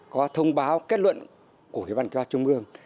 có thông báo kết luận của hiệp an kế hoạch trung ương